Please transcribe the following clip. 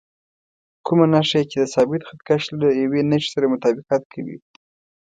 کومه نښه یې چې د ثابت خط کش له یوې نښې سره مطابقت کوي.